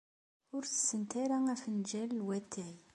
Ur ttessent ara afenǧal n watay?